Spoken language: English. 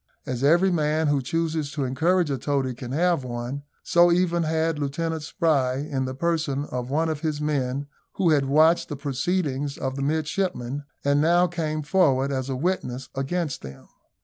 As every man who chooses to encourage a toady can have one, so even had Lieutenant Spry, in the person of one of his men, who had watched the proceedings of the midshipmen, and now came forward as a witness against them.